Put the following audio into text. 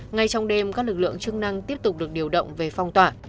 ngay trong đêm các lực lượng chức năng tiếp tục được điều động về phong tỏa